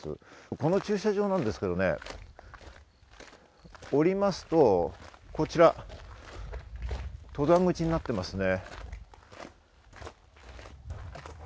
この駐車場ですけれど、おりますと、こちら登山口になっていますね。